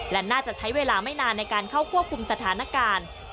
และน่าจะใช้เวลาไม่นานในการเข้าควบคุมสถานการณ์